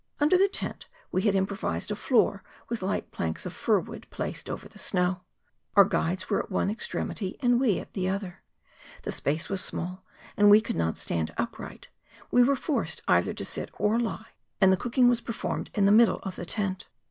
Under the tent we had improvised a floor with light planks of fir wood placed over the snow. Our guides were at one extremity, and we at the other. The space was small, and we could not stand upright; we were forced either to sit or lie, and the cooking was performed in the middle of the tent.